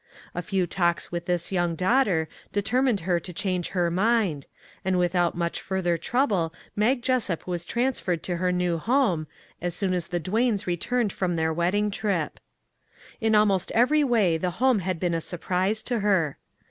A few talks with this young daughter determined her to change her mind, and without much fur ther trouble Mag Jessup was transferred to her new home, as soon as the Duanes returned from their wedding trip. In almost every way the home had been a surprise to her.